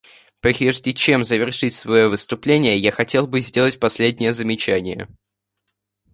Прежде чем завершить свое выступление я хотел бы сделать последнее замечание.